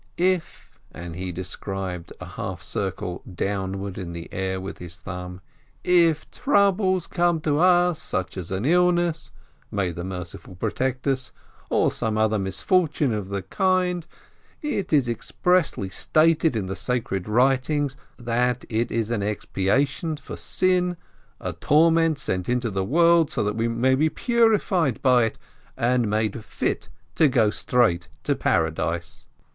"If" (and he described a half circle downward in the air with his thumb), "if troubles come to us, such as an illness (may the Merciful protect us!), or some other misfortune of the kind, it is expressly stated in the Sacred Writings that it is an expiation for sin, a torment sent into the world, so that we may be purified by it, and made fit to go straight to Paradise.